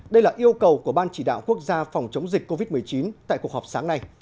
đây là yêu cầu của ban chỉ đạo quốc gia phòng chống dịch covid một mươi chín tại cuộc họp sáng nay